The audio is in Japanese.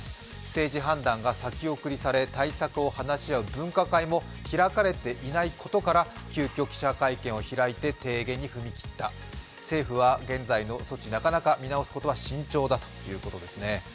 政治判断が先送りされ、対策を話し合う分科会も開かれていないことから急きょ記者会見を開いて提言に踏み切った、政府は現在の措置、なかなか見直すことは慎重だということですね。